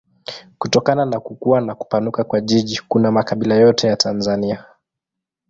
Kutokana na kukua na kupanuka kwa jiji kuna makabila yote ya Tanzania.